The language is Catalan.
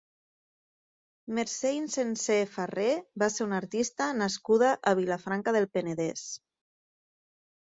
Mercè Insenser Farré va ser una artista nascuda a Vilafranca del Penedès.